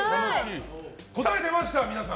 答え出ました、皆さん！